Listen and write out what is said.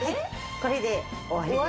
これで終わりです。